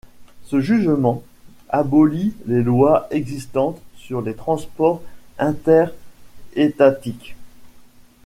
Ce jugement abolit les lois existantes sur les transports inter-étatiques.